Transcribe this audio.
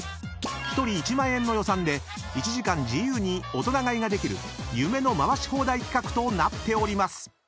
［１人１万円の予算で１時間自由に大人買いができる夢の回し放題企画となっております］